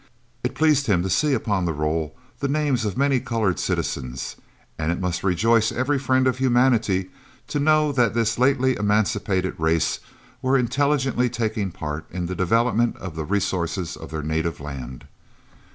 It pleased him to see upon the roll the names of many colored citizens, and it must rejoice every friend of humanity to know that this lately emancipated race were intelligently taking part in the development of the resources of their native land.